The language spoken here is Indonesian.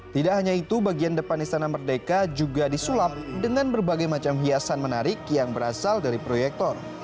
tidak hanya itu bagian depan istana merdeka juga disulap dengan berbagai macam hiasan menarik yang berasal dari proyektor